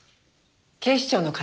警視庁の方。